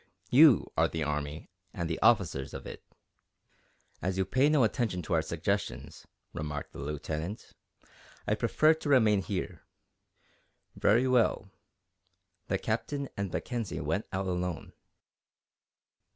You are the army and the officers of it." "As you pay no attention to our suggestions," remarked the Lieutenant, "I prefer to remain here." "Very well." The Captain and Mackenzie went out alone.